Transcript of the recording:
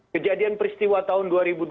kejadian peristiwa tahun dua ribu dua puluh